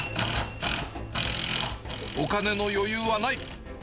お金の余裕はない。